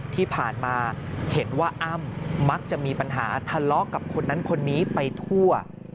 ที่ผ่านมาเห็นว่าอ้ำมักจะมีปัญหาทะเลาะกับคนนั้นคนนี้ไปทั่ว